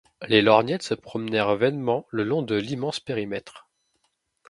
Les lorgnettes se promenèrent vainement le long de l’immense périmètre.